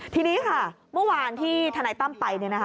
ทีนี้ค่ะเมื่อวานที่ทนายตั้มไป